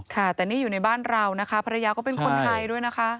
ค่ะแต่นี่อยู่ในบ้านเรานะคะภรรยาก็เป็นคนไทยด้วยนะคะ